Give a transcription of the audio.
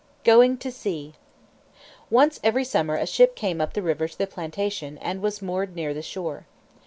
GOING TO SEA. Once every summer a ship came up the river to the plantation, and was moored near the shore.